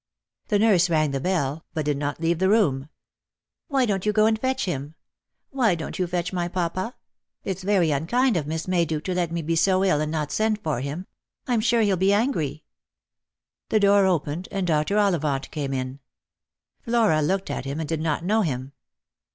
The nurse rang the bell, but did not leave the room. " Why don't you go and fetch him ? Why don't you fetch my papa ? It's very unkind of Miss Mayduke to let me be so ill and not send for him. I'm sure he'll be angry." The door opened and Dr. Ollivant came in. Flora looked at him and did not know him.